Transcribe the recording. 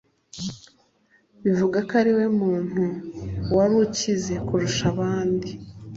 bivugwa ko ariwe muntu wari ukize kurusha abandi.